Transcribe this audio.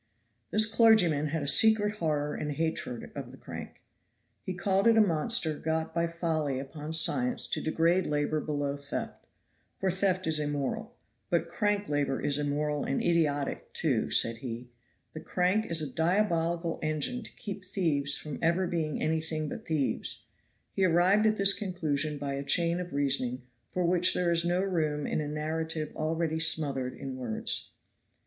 This clergyman had a secret horror and hatred of the crank. He called it a monster got by folly upon science to degrade labor below theft; for theft is immoral, but crank labor is immoral and idiotic, too, said he. The crank is a diabolical engine to keep thieves from ever being anything but thieves. He arrived at this conclusion by a chain of reasoning for which there is no room in a narrative already smothered in words.